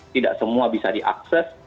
tidak semua bisa diakses